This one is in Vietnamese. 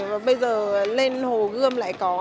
và bây giờ lên hồ gươm lại có